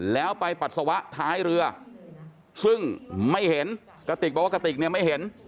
แล้วไปปัสสาวะท้ายเรือซึ่งไม่เห็นกระติกบอกว่ากระติกเนี่ยไม่เห็น